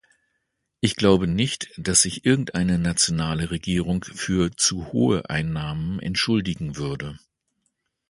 Ich glaube nicht, dass sich irgendeine nationale Regierung für zu hohe Einnahmen entschuldigen würde.